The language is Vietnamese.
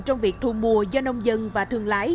trong việc thu mua do nông dân và thương lái